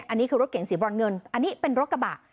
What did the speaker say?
อันนี้คือรถเก๋งสีบรอนเงินอันนี้เป็นรถกระบะ